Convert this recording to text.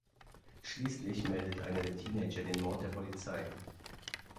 Schließlich meldet einer der Teenager den Mord der Polizei.